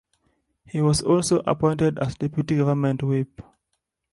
He was also appointed as Deputy Government Whip.